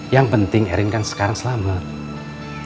yang penting erin kan sekarang selamat